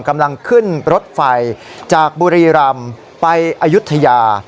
กำลังขึ้นรถไฟจากบุรีรำไปอายุทยา